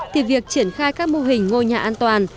thì việc triển khai các mô hình ngôi nhà an toàn